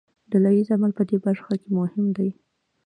ډله ییز عمل په دې برخه کې مهم دی.